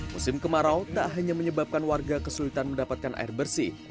musim kemarau tak hanya menyebabkan warga kesulitan mendapatkan air bersih